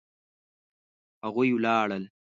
هغوی ولاړل